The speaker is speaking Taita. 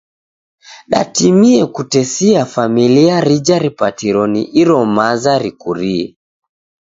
Datimie kutesia familia rija ripatiro ni iro maza rikurie.